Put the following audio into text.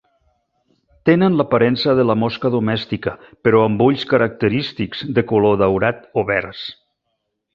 Tenen l'aparença de la mosca domèstica però amb ulls característics de color daurat o verds.